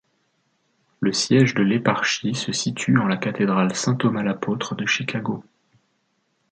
Le siège de l'éparchie se situe en la cathédrale Saint-Thomas l'apôtre de Chicago.